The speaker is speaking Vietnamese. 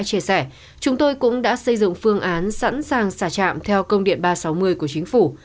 chia sẻ chúng tôi cũng đã xây dựng phương án sẵn sàng xả chạm theo công điện ba trăm sáu mươi của chính phủ